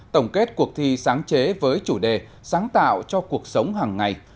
tổng kết cuộc thi sáng chế với chủ đề sáng tạo cho cuộc sống hàng ngày